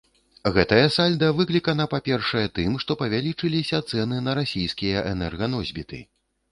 Гэтае сальда выклікана, па-першае, тым, што павялічыліся цэны на расійскія энерганосьбіты.